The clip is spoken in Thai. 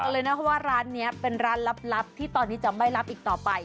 เลยนะเพราะว่าร้านนี้เป็นร้านลับที่ตอนนี้จะไม่รับอีกต่อไป